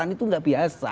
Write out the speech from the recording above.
itu tidak biasa